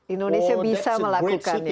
indonesia bisa melakukan